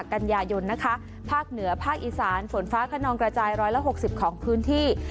กันยายนนะคะภาคเหนือภาคอีสานฝนฟ้าขนองกระจาย๑๖๐ของพื้นที่